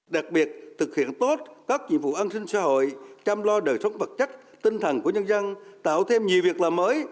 đặc biệt thực hiện tốt các nhiệm vụ an sinh xã hội chăm lo đời sống vật chất tinh thần của nhân dân tạo thêm nhiều việc làm mới